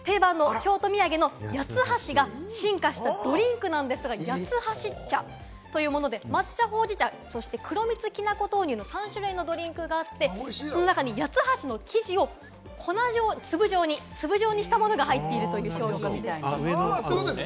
定番の京都土産の八つ橋が進化したドリンクなんですが、「八つ橋っちゃ」というもので、抹茶、ほうじ茶、そして黒蜜きな粉豆乳の３種類のドリンクがあって、その中に八つ橋の生地を粒状にしたものが入っているという商品です。